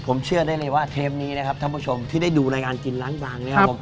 ผมเชื่อได้เลยว่าเทปนี้นะครับท่านผู้ชมที่ได้ดูรายการกินร้านบาง